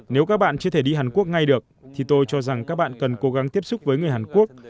nếu các bạn chưa thể đi hàn quốc ngay được thì tôi cho rằng các bạn cần cố gắng tiếp xúc với người hàn quốc